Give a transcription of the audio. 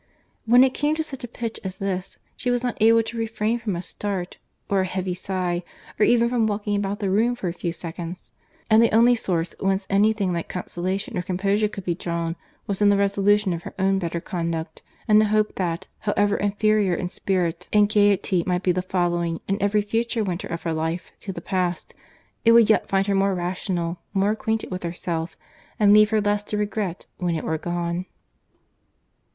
When it came to such a pitch as this, she was not able to refrain from a start, or a heavy sigh, or even from walking about the room for a few seconds—and the only source whence any thing like consolation or composure could be drawn, was in the resolution of her own better conduct, and the hope that, however inferior in spirit and gaiety might be the following and every future winter of her life to the past, it would yet find her more rational, more acquainted with herself, and leave her less to regret when it were gone.